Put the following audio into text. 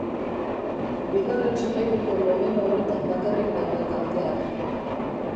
Bigarren solairuko logela horretan bakarrik daude kalteak.